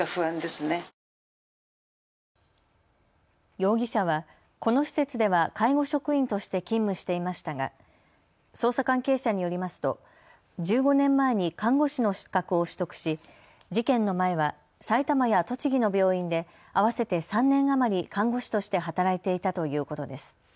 容疑者は、この施設では介護職員として勤務していましたが捜査関係者によりますと１５年前に看護師の資格を取得し事件の前は埼玉や栃木の病院で合わせて３年余り看護師として働いていたということです。